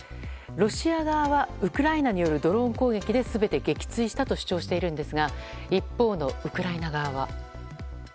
ロシア側はウクライナによるドローン攻撃で全て撃墜したと主張していますが一方のウクライナ側は。